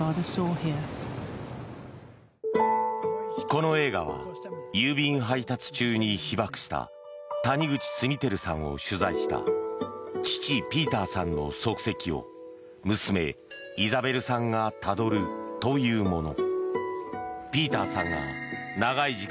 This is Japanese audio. この映画は、郵便配達中に被爆した谷口稜曄さんを取材した父ピーターさんの足跡を娘イザベルさんがたどるというもの。